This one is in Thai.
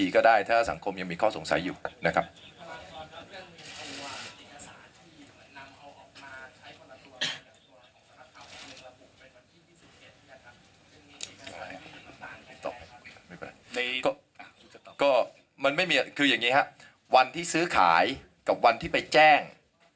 ก็มันไม่มีคืออย่างนี้ครับวันที่ซื้อขายกับวันที่ไปแจ้ง